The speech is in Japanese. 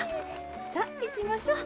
さあいきましょう。